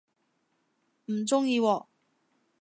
唔鍾意喎